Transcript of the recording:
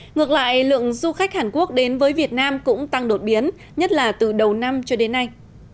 ngược lại lượng du khách hàn quốc đến với việt nam cũng tăng đột biến nhất là từ đầu năm cho đến nay